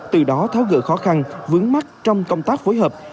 từ đó tháo gỡ khó khăn vướng mắt trong công tác phối hợp